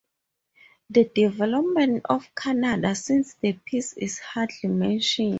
The development of Canada since the peace is hardly mentioned.